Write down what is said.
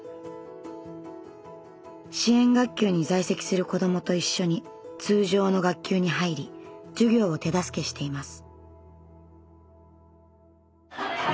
支援学級に在籍する子どもと一緒に通常の学級に入り授業を手助けしています。